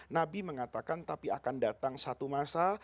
nabi mengatakan tapi akan datang satu masa